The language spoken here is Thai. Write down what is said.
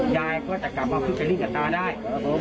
ยายก็จะกลับมาทุกจะริ่งกันตาได้